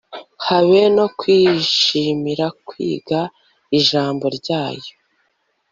habe no kwishimira kwiga ijambo ryayo